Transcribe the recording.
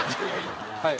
はい。